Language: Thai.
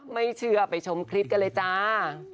ไม่เชื่อไปชมคลิปกันเลยจ้า